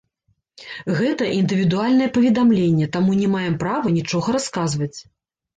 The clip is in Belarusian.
Гэта індывідуальнае паведамленне, таму не маем права нічога расказваць.